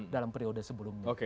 dalam periode sebelumnya